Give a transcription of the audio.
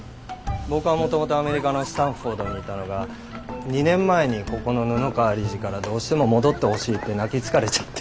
僕はもともとアメリカのスタンフォードにいたのが２年前にここの布川理事からどうしても戻ってほしいって泣きつかれちゃって。